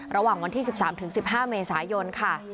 ระหว่างวันที่๑๓๑๕เมษายนค่ะ